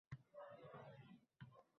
Qiziqarli taqdimotlar va samarali muzokaralar